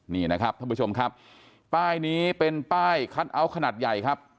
นี่นะครับท่านผู้ชมครับป้ายนี้เป็นป้ายคัทเอาท์ขนาดใหญ่ครับ